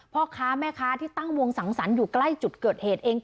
พ่อค้าแม่ค้าที่ตั้งวงสังสรรค์อยู่ใกล้จุดเกิดเหตุเอง